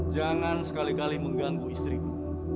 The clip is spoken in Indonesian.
jangan sekali kali mengganggu istriku